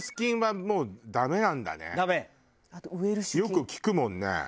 よく聞くもんね